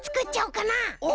お！